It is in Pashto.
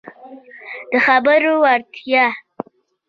د خبرو وړتیا